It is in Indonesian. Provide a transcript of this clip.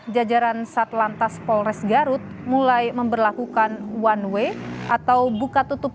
jajaran satlantas polres garut mulai memperlakukan one way atau buka tutup